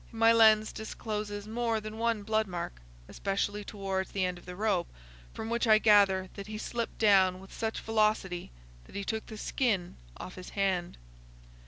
My lens discloses more than one blood mark, especially towards the end of the rope, from which I gather that he slipped down with such velocity that he took the skin off his hand."